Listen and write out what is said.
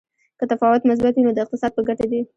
که تفاوت مثبت وي نو د اقتصاد په ګټه دی.